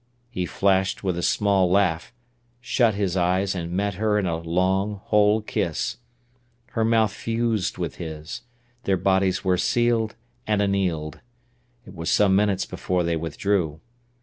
He flashed with a small laugh, shut his eyes, and met her in a long, whole kiss. Her mouth fused with his; their bodies were sealed and annealed. It was some minutes before they withdrew.